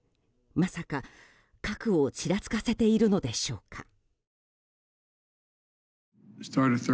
まさか、核をちらつかせているのでしょうか。